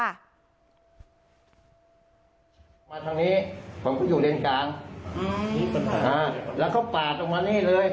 มาทางนี้ผมก็อยู่ในกลางอืมแล้วก็ปาดออกมานี่เลย